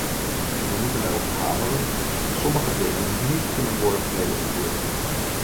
We moeten erop hameren dat sommige dingen niet kunnen worden gerelativeerd.